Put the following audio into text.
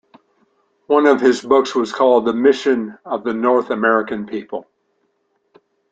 One of his books was called "The Mission of the North American People".